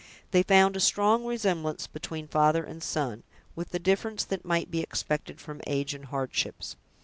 They found a strong resemblance between father and son, with the difference that might be expected from age and hardships.